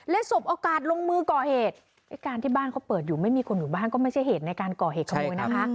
สบโอกาสลงมือก่อเหตุไอ้การที่บ้านเขาเปิดอยู่ไม่มีคนอยู่บ้านก็ไม่ใช่เหตุในการก่อเหตุขโมยนะคะ